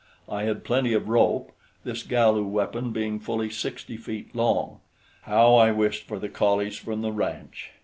I had plenty of rope, this Galu weapon being fully sixty feet long. How I wished for the collies from the ranch!